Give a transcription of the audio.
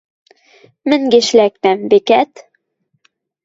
Мӹнгеш лӓктам, векӓт...